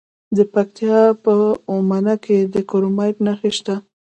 د پکتیکا په اومنه کې د کرومایټ نښې شته.